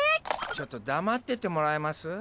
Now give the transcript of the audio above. ちょっと黙っててもらえます？